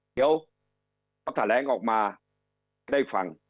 เดี๋ยวพอแถลงออกมาได้ฟัง